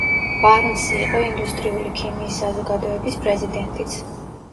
ბარნსი იყო ინდუსტრიული ქიმიის საზოგადოების პრეზიდენტიც.